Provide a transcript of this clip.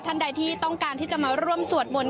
ท่านใดที่ต้องการที่จะมาร่วมสวดมนต์